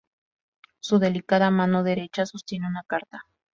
Su delicada mano derecha sostiene una carta.